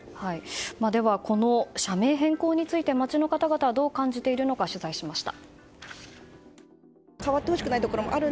この社名変更について街の方々はどう感じているのか取材しました。